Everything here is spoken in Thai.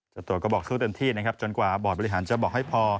เจ้าตัวก็บอกสู้เต็มที่นะครับจนกว่าบอร์ดบริหารจะบอกให้พอ